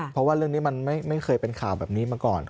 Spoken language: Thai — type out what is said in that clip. เพราะว่าเรื่องนี้มันไม่เคยเป็นข่าวแบบนี้มาก่อน